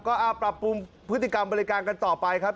ก็ปรับปรุงพฤติกรรมบริการกันต่อไปครับ